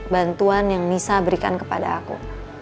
bantuan yang nisa berikan kepada aku